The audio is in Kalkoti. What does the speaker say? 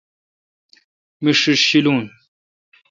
می ݭیݭ ݭیلون۔